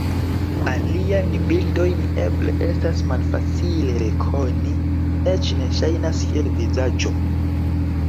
Aliajn bildojn eble estas malfacile rekoni, eĉ ne ŝajnas kiel vizaĝo.